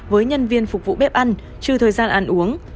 với nhân viên phục vụ bếp ăn trừ thời gian ăn uống